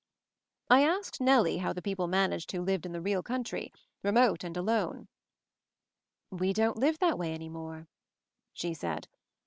I asked Nellie how the people managed who lived in the real country — remote and alone. "We don't live that way any more/' she said.